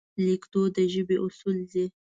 لیکدود د ژبې اصول دي.